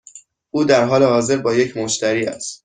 او در حال حاضر با یک مشتری است.